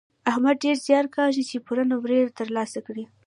احمد ډېر زیار کاږي چې پوره نومرې تر لاسه کړي.